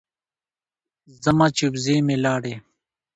ځمه چې وزې مې لاړې.